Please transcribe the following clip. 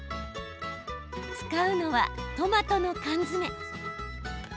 使うのは、トマトの缶詰。